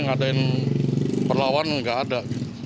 ngadain perlawan nggak ada